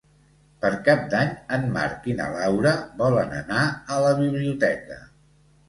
Per Cap d'Any en Marc i na Laura volen anar a la biblioteca.